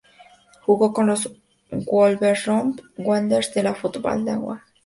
Jugó con los Wolverhampton Wanderers, de la Football League, durante toda su carrera.